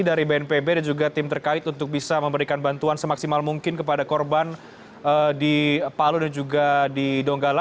dari bnpb dan juga tim terkait untuk bisa memberikan bantuan semaksimal mungkin kepada korban di palu dan juga di donggala